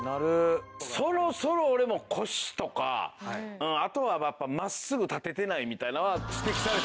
そろそろ俺も腰とかあとはやっぱ真っすぐ立ててないみたいなんは指摘された。